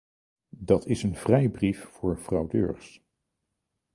Dat is een vrijbrief voor fraudeurs.